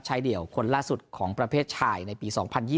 เดี่ยวคนล่าสุดของประเภทชายในปี๒๐๒๐